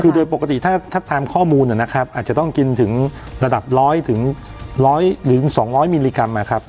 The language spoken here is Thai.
คือโดยปกติถ้าถ้าตามข้อมูลเนี้ยนะครับอาจจะต้องกินถึงระดับร้อยถึงร้อยหรือสองร้อยมิลลิกรัมนะครับ